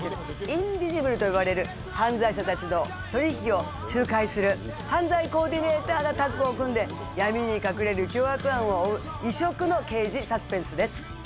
インビジブルと呼ばれる犯罪者達の取り引きを仲介する犯罪コーディネーターがタッグを組んで闇に隠れる凶悪犯を追う異色の刑事サスペンスです